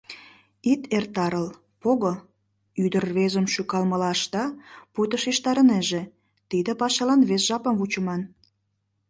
— Ит эртарыл... пого, — ӱдыр рвезым шӱкалмыла ышта, пуйто шижтарынеже: тиде пашалан вес жапым вучыман.